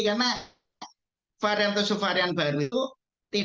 karena varian atau subvarian baru itu tidak muncul